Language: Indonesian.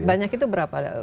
banyak itu berapa